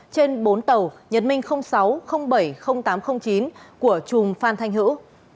trên bốn tàu nhật minh sáu bảy tám chín của trùng phan thanh hữu